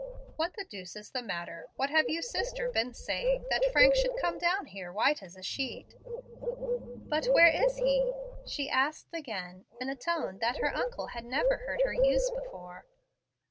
"What the deuce is the matter? What have you sister been saying that Frank should come down here white as a sheet?" "But where is he?" she asked again, in a tone that her uncle had never heard her use before.